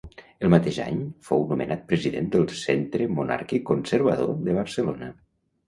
El mateix any fou nomenat president del Centre Monàrquic Conservador de Barcelona.